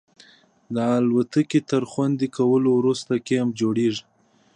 د الوتکې تر خوندي کولو وروسته کیمپ جوړیږي